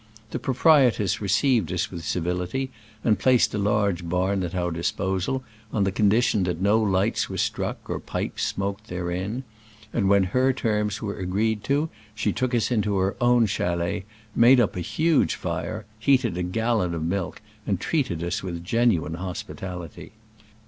The proprietress received us with civil ity, and placed a large bam at our dis posal, on the condition that no lights were struck or pipes smoked therein; and when her terms were agreed to, she took us into her own chalet, made up a huge fire, heated a gallon of milk and treated us with genuine hospitality.